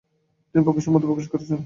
তিনি প্রকাশ্যে মতপ্রকাশ করেছিলেন।